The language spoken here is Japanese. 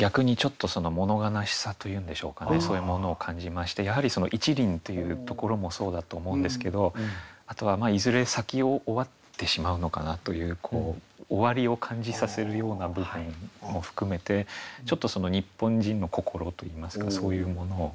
そういうものを感じましてやはりその「一輪」っていうところもそうだと思うんですけどあとはいずれ咲き終わってしまうのかなという終わりを感じさせるような部分も含めてちょっと日本人の心といいますかそういうものを。